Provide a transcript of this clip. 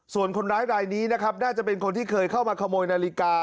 ส่วนคนร้ายรายนี้นะครับน่าจะเป็นคนที่เคยเข้ามาขโมยนาฬิกา